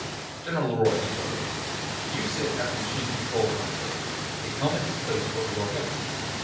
General LeRoy took over. "You sit at the machine's control console. A helmet is placed over your head.